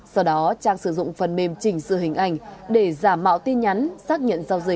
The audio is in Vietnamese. sau đó trang sử dụng phần mềm chỉnh sự hình ảnh để giả mạo tin nhắn